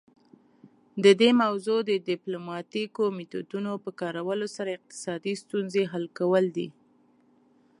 د دې موضوع د ډیپلوماتیکو میتودونو په کارولو سره اقتصادي ستونزې حل کول دي